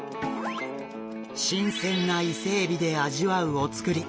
新鮮なイセエビで味わうお造り。